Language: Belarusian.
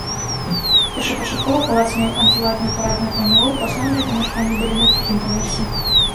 Першапачаткова палац меў анфіладную парадную планіроўку, асноўныя памяшканні былі на другім паверсе.